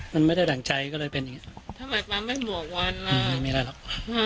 มันไม่ได้ดั่งใจก็เลยเป็นอย่างนี้ทำไมความไม่บวกวันล่ะไม่มีอะไรหรอก